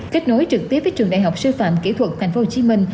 kết nối trực tiếp với trường đại học sư phạm kỹ thuật tp hcm